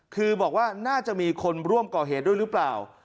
คือบอกว่าน่าจะมีคนร่วมก่อเหตุด้วยหรือเปล่า